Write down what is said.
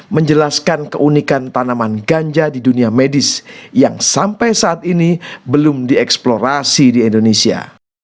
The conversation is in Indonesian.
menjelaskan keunikan tanaman ganja di dunia medis yang sampai saat ini belum dieksplorasi di indonesia